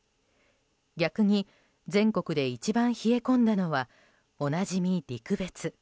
逆に全国で一番冷え込んだのはおなじみ陸別。